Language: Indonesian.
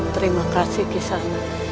terima kasih kisah anak